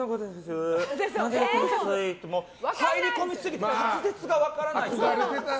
入り込みすぎてて滑舌が分からない。